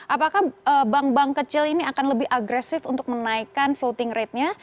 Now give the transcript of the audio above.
apakah bank bank kecil ini akan lebih agresif untuk menaikkan voting ratenya